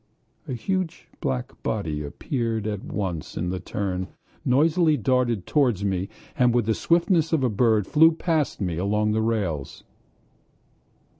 A huge black body appeared at once at the turn, noisily darted towards me, and with the swiftness of a bird flew past me along the rails.